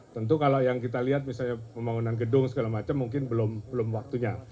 tentu kalau yang kita lihat misalnya pembangunan gedung segala macam mungkin belum waktunya